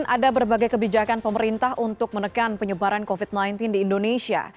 ada berbagai kebijakan pemerintah untuk menekan penyebaran covid sembilan belas di indonesia